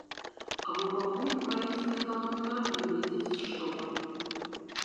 Або пакуль украінская эканоміка не выйдзе з штопару.